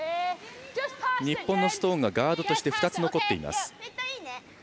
日本のストーンがガードとして２つ残っています。